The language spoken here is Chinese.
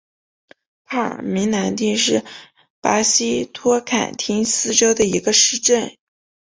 帕尔梅兰蒂是巴西托坎廷斯州的一个市镇。